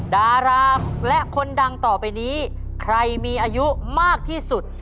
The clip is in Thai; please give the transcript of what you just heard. ดาราและคนดังต่อไปนี้ใครมีอายุมากที่สุด